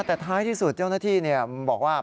แต่ท้ายที่สุดเจ้าหน้าที่บอกว่า